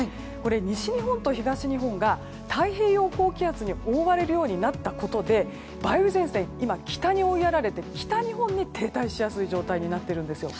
西日本と東日本が太平洋高気圧に覆われるようになったことで梅雨前線が北に追いやられて、北日本に停滞しやすい状態になってるんです。